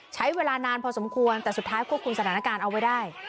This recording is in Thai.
ใช้เวลานานพอสมควรแต่สุดท้ายควบคุมสถานการณ์เอาไว้ได้